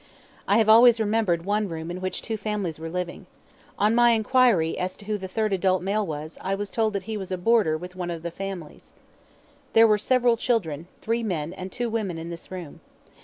I have always remembered one room in which two families were living. On my inquiry as to who the third adult male was I was told that he was a boarder with one of the families. There were several children, three men, and two women in this room.